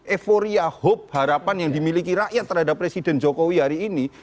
euforia hope harapan yang dimiliki rakyat terhadap presiden jokowi hari ini